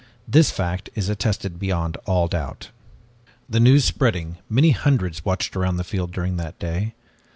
This fact is attested beyond all doubt. "The news spreading, many hundreds watched around the field during that day.